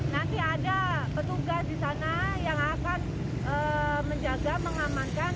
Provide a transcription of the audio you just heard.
nanti ada petugas di sana yang akan menjaga mengamankan